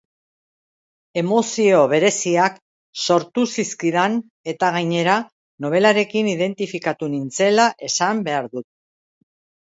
Emozio bereziak sortu zizkidan eta gainera, nobelarekin identifikatu nintzela esan behar dut.